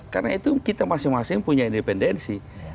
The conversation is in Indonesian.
karena itu kita masing masing punya independensi